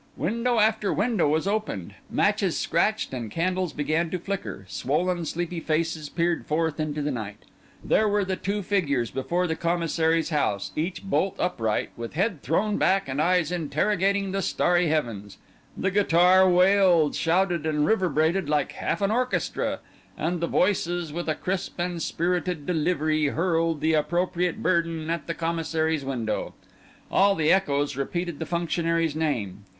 Window after window was opened; matches scratched, and candles began to flicker; swollen sleepy faces peered forth into the starlight. There were the two figures before the Commissary's house, each bolt upright, with head thrown back and eyes interrogating the starry heavens; the guitar wailed, shouted, and reverberated like half an orchestra; and the voices, with a crisp and spirited delivery, hurled the appropriate burden at the Commissary's window. All the echoes repeated the functionary's name.